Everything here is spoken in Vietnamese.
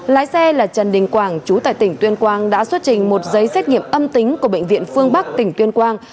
lái xe là trần đình quảng chú tại tỉnh tuyên quang đã xuất trình một giấy xét nghiệm âm tính của bệnh viện phương bắc tỉnh tuyên quang